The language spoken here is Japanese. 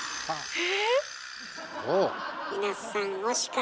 え⁉